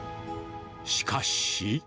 しかし。